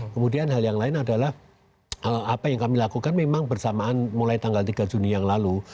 kemudian hal yang lain adalah apa yang kami lakukan memang bersamaan mulai tanggal tiga juni yang lalu